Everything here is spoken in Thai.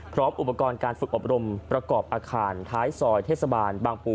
พร้อมอุปกรณ์การฝึกอบรมประกอบอาคารท้ายซอยเทศบาลบางปู